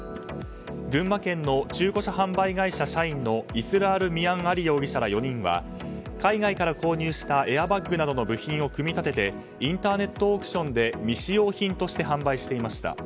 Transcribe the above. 群馬県の中古車販売会社社員のイスラール・ミアン・アリ容疑者ら４人は海外から購入したエアバッグなどの部品を組み立ててインターネットオークションで未使用品として販売していました。